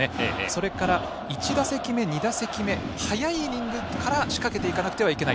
それから１打席目、２打席目早いイニングから仕掛けていかなくてはいけない。